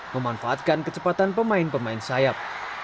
memanfaatkan kecepatan pemain pemain sayap